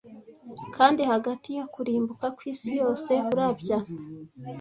Kandi 'hagati yo kurimbuka kwisi yose, kurabya